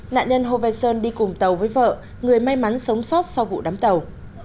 nạn nhân hovetson đi cùng tàu với vợ người may mắn sống sót sau vụ đám tàu